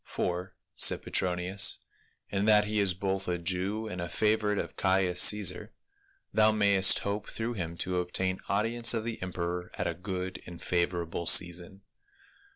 "For," said Petronius, "in that he is both a Jew and a favorite of Caius Caisar, thou mayest hope through him to obtain audience of the emperor at a good and favorable season.